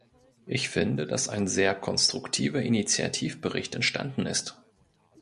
Ich finde, dass ein sehr konstruktiver Initiativbericht entstanden ist.